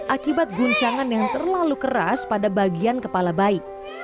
akibat guncangan yang terlalu keras pada bagian kepala bayi